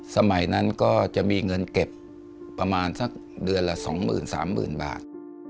สมัยนั้นก็จะมีเงินเก็บประมาณสักเดือนละ๒๓๐๐๐บาท